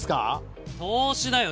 投資だよ